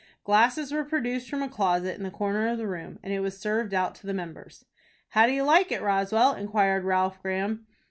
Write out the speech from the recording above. Glasses were produced from a closet in the corner of the room, and it was served out to the members. "How do you like it, Roswell?" inquired Ralph Graham.